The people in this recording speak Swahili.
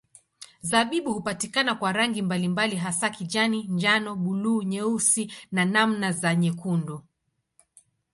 Zabibu hupatikana kwa rangi mbalimbali hasa kijani, njano, buluu, nyeusi na namna za nyekundu.